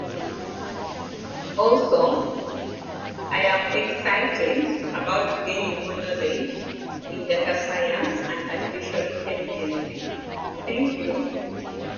It is occasionally used for the South Korea national football team matches.